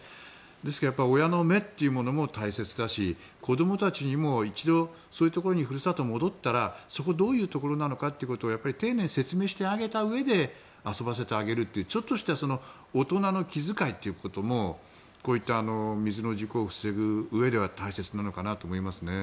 ですから親の目というものも大切だし子どもたちにも一度そういうところふるさとに戻ったらそこがどういうところなのかってことを丁寧に説明してあげたうえで遊ばせてあげるというちょっとした大人の気遣いということもこういった水の事故を防ぐうえでは大切なのかなと思いますね。